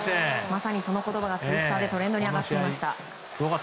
まさにその言葉がツイッターでトレンドに上がっていました。